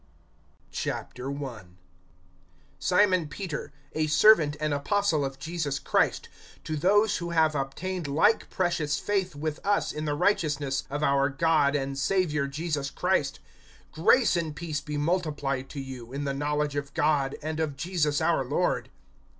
I. SIMON PETER, a servant and apostle of Jesus Christ, to those who have obtained like precious faith with us in the righteousness of our God and Savior Jesus Christ: (2)Grace and peace be multiplied to you, in the knowledge of God, and of Jesus our Lord.